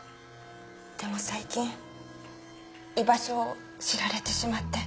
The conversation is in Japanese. でも最近居場所を知られてしまって。